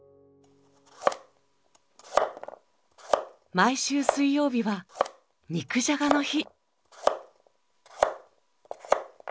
毎週水曜日は肉じゃがの日。